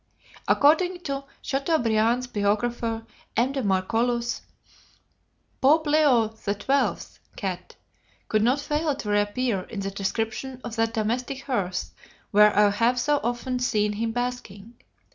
According to Chateaubriand's biographer, M. de Marcellus, "Pope Leo XII's cat could not fail to reappear in the description of that domestic hearth where I have so often seen him basking.